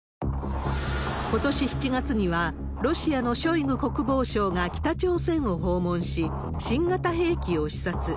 ことし７月には、ロシアのショイグ国防相が北朝鮮を訪問し、新型兵器を視察。